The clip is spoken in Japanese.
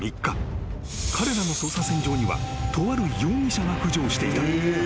［彼らの捜査線上にはとある容疑者が浮上していた］